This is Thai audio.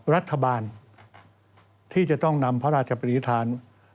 รัฐบาลที่จะต้องนำพระราชปริธาน